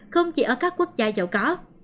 không chỉ ở các quốc gia giàu có